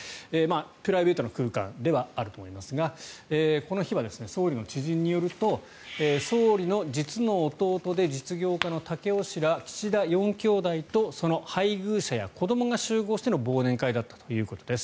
プライベートの空間ではあると思いますがこの日は総理の知人によると総理の実の弟で実業家の武雄氏ら岸田４きょうだいとその配偶者や子どもが集合しての忘年会だったということです。